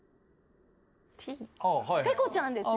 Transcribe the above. ペコちゃんですね。